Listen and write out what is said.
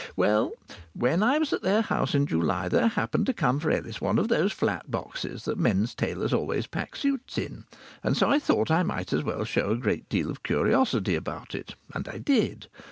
Well, when I was at their house in July, there happened to come for Ellis one of those fiat boxes that men's tailors always pack suits in, and so I thought I might as well show a great deal of curiosity about it, and I did.